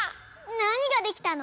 なにができたの？